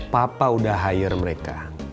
papa udah hire mereka